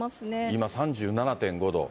今３７．５度。